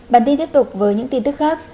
bản tin tiếp tục với những tin tức khác